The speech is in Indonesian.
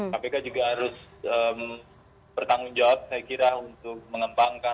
kpk juga harus bertanggung jawab saya kira untuk mengembangkan